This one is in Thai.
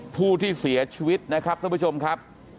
ผู้ที่เสียชีวิตนะครับท่านผู้ชมครับ